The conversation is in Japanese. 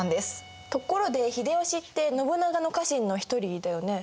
ところで秀吉って信長の家臣の一人だよね？